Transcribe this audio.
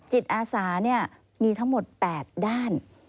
จิตอาสามีทั้งหมด๘ด้าน